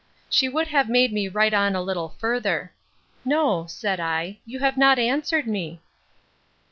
—She would have made me write on a little further. No, said I; you have not answered me.